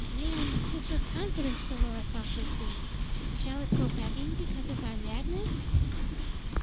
Man! 'Tis her confidence Dolores offers thee. Shall it go begging because of thy madness?"